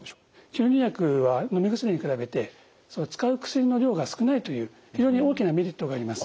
吸入薬はのみ薬に比べて使う薬の量が少ないという非常に大きなメリットがあります。